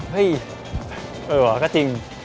เฮ้ยเออเหรอก็จริง